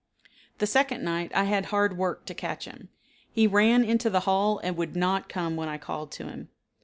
The second night I had hard work to catch him. He ran into the hall and would not come when I called to him.